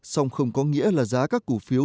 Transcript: song không có nghĩa là giá các cổ phiếu